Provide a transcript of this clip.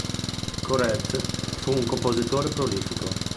Corrette fu un compositore prolifico.